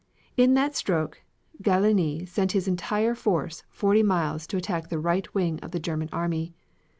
In that stroke Gallieni sent his entire force forty miles to attack the right wing of the German army.